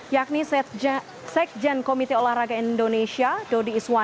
yakni sekjen komite olahraga indonesia dodi iswan